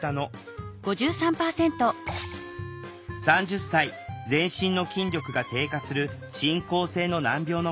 ３０歳全身の筋力が低下する進行性の難病の方。